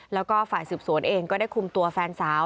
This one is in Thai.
แล้วก็ฝ่ายสืบสวนเองก็ได้คุมตัวแฟนสาว